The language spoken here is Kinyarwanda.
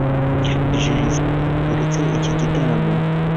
Jay-z yahagaritse iki gitaramo